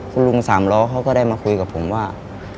คุณลุงสามล้อเขาก็ได้มาคุยกับผมว่า